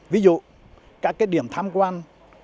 ví dụ các cái điểm tham quan